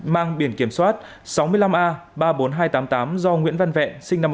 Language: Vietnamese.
mang biển kiểm soát sáu mươi năm a ba mươi bốn nghìn hai trăm tám mươi tám do nguyễn văn vẹn sinh năm một nghìn chín trăm tám mươi